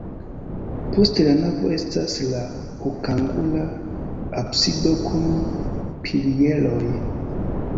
Post la navo estas la okangula absido kun pilieroj.